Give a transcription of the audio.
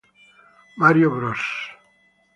Mario Bros.